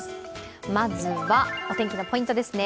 まずは、お天気のポイントですね。